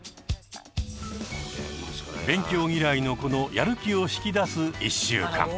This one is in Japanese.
勉強嫌いの子のやる気を引き出す１週間。